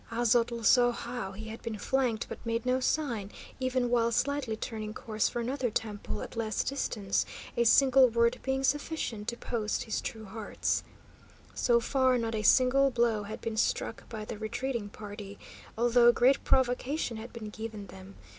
Aztotl saw how he had been flanked, but made no sign, even while slightly turning course for another temple at less distance, a single word being sufficient to post his true hearts. So far not a single blow had been struck by the retreating party, although great provocation had been given them.